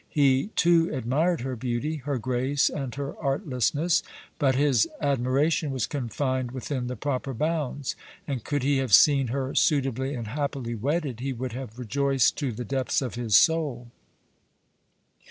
He, too, admired her beauty, her grace and her artlessness, but his admiration was confined within the proper bounds, and could he have seen her suitably and happily wedded, he would have rejoiced to the depths of his soul.